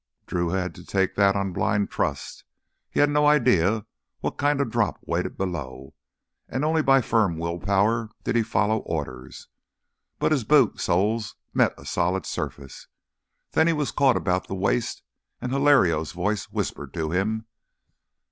Drew had to take that on blind trust. He had no idea what kind of a drop waited below, and only by firm will power did he follow orders. But his boot soles met a solid surface. Then he was caught about the waist and Hilario's voice whispered to him.